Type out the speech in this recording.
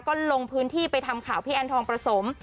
ก็ลงพื้นที่ไปทำข่าวพี่แอนทองประสม